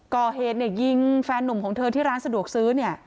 ก่อเหตุเนี่ยยิงแฟนนุ่มของเธอที่ร้านสะดวกซื้อเนี่ย